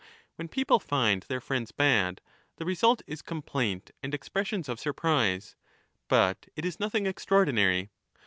When people find their friends bad. the result is complaint 20 and expressions of surprise ; but it is nothing extraordinary.